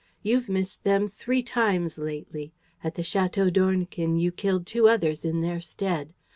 You've missed them three times lately. At the Château d'Ornequin you killed two others in their stead.